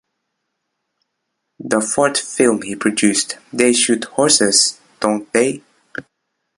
The fourth film he produced, They Shoot Horses, Don't They?